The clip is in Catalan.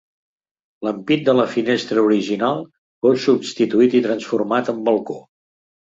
L'ampit de la finestra original fou substituït i transformat en balcó.